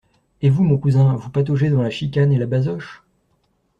Et vous, mon cousin, vous pataugez dans la chicane et la basoche?